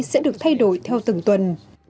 sẽ được thay đổi theo từng tuần